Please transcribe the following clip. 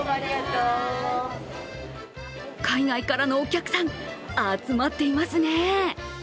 海外からのお客さん、集まっていますね。